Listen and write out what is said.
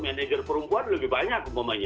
manager perempuan lebih banyak